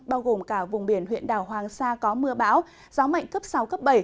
bao gồm cả vùng biển huyện đảo hoàng sa có mưa bão gió mạnh cấp sáu cấp bảy